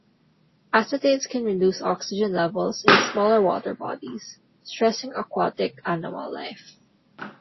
Acetates can reduce oxygen levels in smaller water bodies, stressing aquatic animal life.